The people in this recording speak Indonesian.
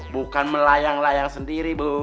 bukan melayang layang sendiri bu